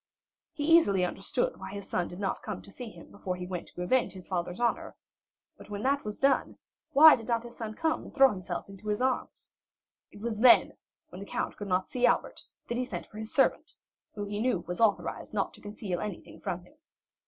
He easily understood why his son did not come to see him before he went to avenge his father's honor; but when that was done, why did not his son come and throw himself into his arms? It was then, when the count could not see Albert, that he sent for his servant, who he knew was authorized not to conceal anything from him.